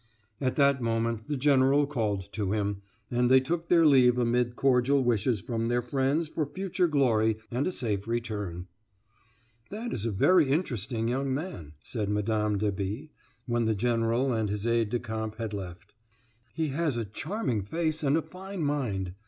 At that moment the general called to him, and they took their leave amid cordial wishes from their friends for future glory and a safe return. "That is a very interesting young man," said Mme. de B. when the general and his aide de camp had left; "he has a charming face and a fine mind.